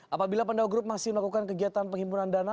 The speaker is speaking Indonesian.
apabila pandau group masih melakukan kegiatan penghimpunan dana